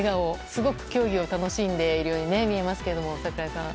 すごく競技を楽しんでいるように見えますけども、櫻井さん。